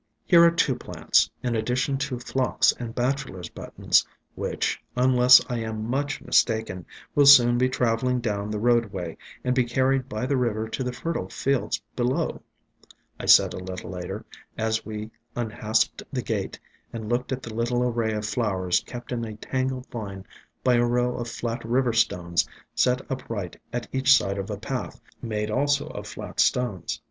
"Here are two plants, in addition to Phlox and Bachelor's Buttons, which, unless I am much mis taken, will soon be travelling down the roadway and be carried by the river to the fertile fields be low," I said a little later, as we unhasped the gate and looked at the little array of flowers kept in a tangled line by a row of flat river stones set upright at each side of a path, made also of flat stones.